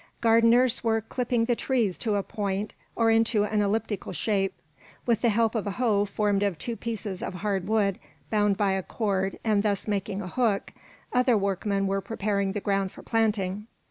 Gardeners were clipping the trees to a point or into an elliptical shape. With the help of a hoe formed of two pieces of hard wood bound by a cord and thus making a hook, other workmen were preparing the ground for planting.